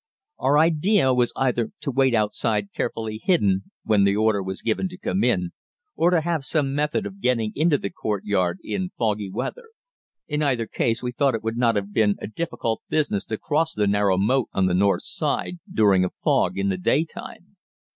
Our idea was either to wait outside carefully hidden when the order was given to come in, or to have some method of getting into the courtyard in foggy weather; in either case we thought it would not have been a difficult business to cross the narrow moat on the north side during a fog in the day time.